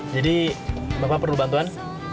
jadi bapak perlu bantuan